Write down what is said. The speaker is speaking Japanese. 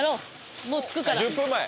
１０分前！